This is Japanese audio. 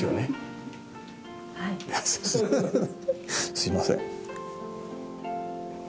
すいません。